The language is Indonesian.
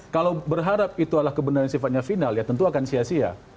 kalau berharap itu adalah kebenaran sifatnya final ya tentu akan sia sia